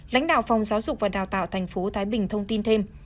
lãnh đạo phòng giáo dục và đào tạo tp thái bình thông tin thêm